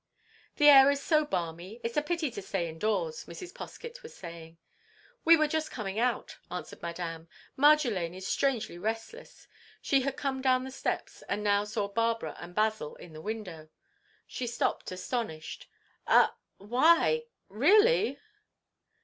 "The air is so balmy, it's a pity to stay indoors," Mrs. Poskett was saying. "We were just coming out," answered Madame. "Marjolaine is strangely restless." She had come down the steps and now saw Barbara and Basil in the window. She stopped astonished. "Ah—?—Why!—Really?